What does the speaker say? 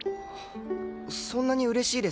そんなに嬉しいですか？